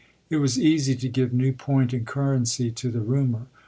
It was easy to give new point and currency to the rumor.